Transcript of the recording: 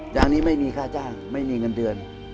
อย่างนี้ไม่มีค่าจ้างไม่มีเงินเดือน